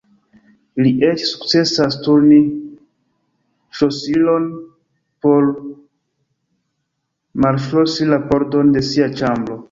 Li eĉ sukcesas turni ŝlosilon por malŝlosi la pordon de sia ĉambro.